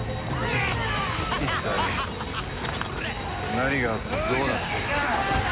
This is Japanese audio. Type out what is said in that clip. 一体何がどうなってる？